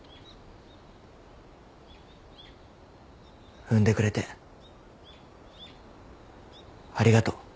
産んでくれてありがとう